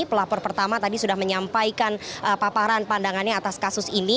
pelapor pertama tadi sudah menyampaikan paparan pandangannya atas kasus ini